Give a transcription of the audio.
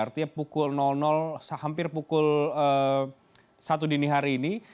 artinya pukul hampir pukul satu dini hari ini